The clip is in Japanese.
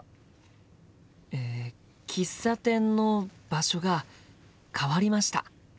え喫茶店の場所が変わりました。